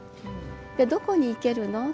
どこに生けるの？